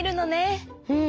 うん。